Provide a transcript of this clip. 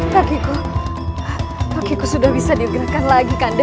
pakiku pakiku sudah bisa digerakkan lagi kanda